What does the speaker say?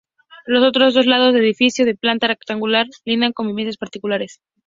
Los otros dos lados del edificio, de planta rectangular, lindan con viviendas particulares.